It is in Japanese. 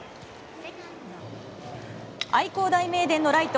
愛工大名電のライト